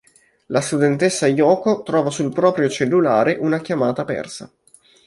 La studentessa Yoko trova sul proprio cellulare una chiamata persa.